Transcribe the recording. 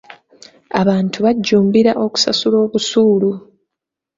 Abantu bajjumbira okusasula obusuulu.